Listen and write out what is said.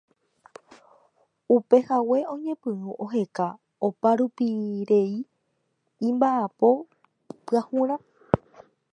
Upehague oñepyrũ oheka oparupirei imba'apo pyahurã.